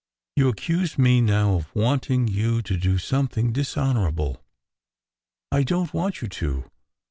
"You accuse me now of wanting you to do some thing dishonourable. I don t want you to!